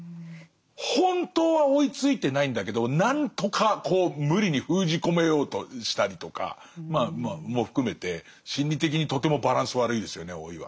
本当は追いついてないんだけど何とかこう無理に封じ込めようとしたりとかまあまあも含めて心理的にとてもバランス悪いですよね老いは。